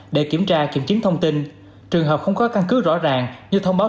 để kiểm tra kiểm chứng thông tin trường hợp không có căn cứ rõ ràng như thông báo